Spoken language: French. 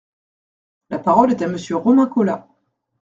La parole est à Monsieur Romain Colas.